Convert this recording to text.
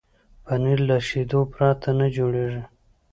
پنېر له شيدو پرته نه جوړېږي.